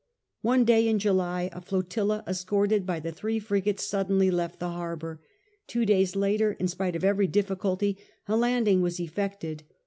One day in July, a flotilla escorted by the three frigates suddenly left the harbour. Two days later, in spite of every difficulty, a landing was effected.